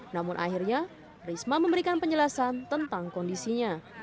namun akhirnya risma memberikan penjelasan tentang kondisinya